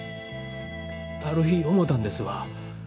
ある日思たんですわ。